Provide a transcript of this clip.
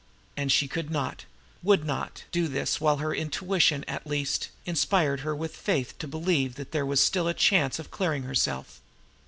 And she could not, would not, do this while her intuition, at least, inspired her with the faith to believe that there was still a chance of clearing herself.